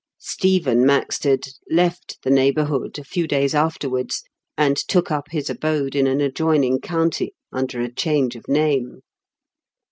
Stephen Maxted left the neighbourhood a few days afterwards, and took up his abode in an adjoining county, under a change of name.